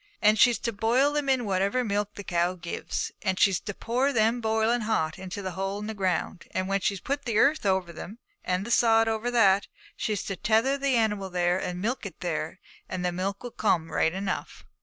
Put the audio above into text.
And she's to boil them in whatever milk the cow gives, and she's to pour them boiling hot into a hole in the ground; and when she's put the earth over them, and the sod over that, she's to tether the animal there, and milk it there, and the milk will come right enough.'